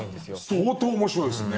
相当面白いですね。